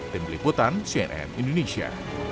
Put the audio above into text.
tim liputan cnn indonesia